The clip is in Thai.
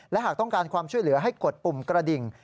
และหากต้องการความช่วยเหลือให้กดปุ่มกระดิ่ง